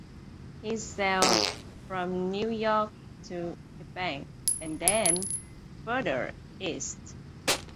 He sailed from New York to Japan and then further east.